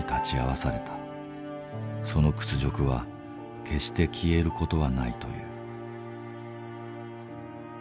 その屈辱は決して消える事はないという。